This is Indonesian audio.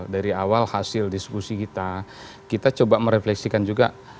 dari awal hasil diskusi kita kita coba merefleksikan juga